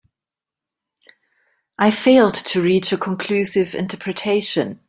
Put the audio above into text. I failed to reach a conclusive interpretation.